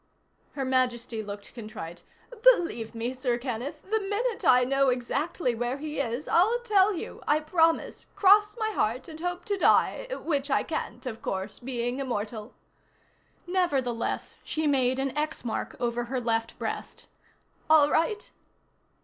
Her Majesty looked contrite. "Believe me, Sir Kenneth, the minute I know exactly where he is, I'll tell you. I promise. Cross my heart and hope to die which I can't, of course, being immortal." Nevertheless, she made an X mark over her left breast. "All right?"